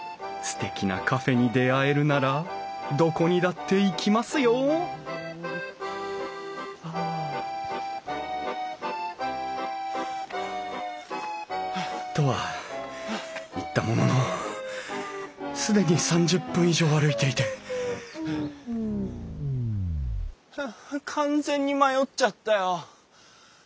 すてきなカフェに出会えるならどこにだって行きますよ！とは言ったものの既に３０分以上歩いていてはあ完全に迷っちゃったよ。